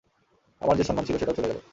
আমার যে সম্মান ছিল সেটাও চলে গেলো।